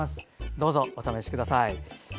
どうぞお試しください。